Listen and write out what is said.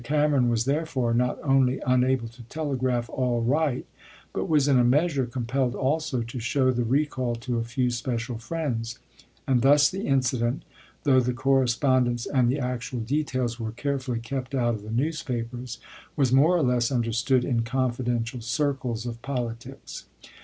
Cameron was, therefore, not only unable to telegraph "All right," but was in a measure compelled also to show the recall to a few special friends ; and thus the incident, though the correspondence and the actual details were carefully kept out of the news papers, was more or less understood in confidential circles of politics.